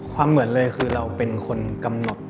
เหมือนเลยคือเราเป็นคนกำหนด